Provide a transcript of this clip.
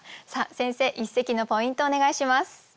先生一席のポイントをお願いします。